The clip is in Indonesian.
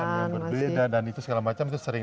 yang berbeda dan itu segala macam itu sering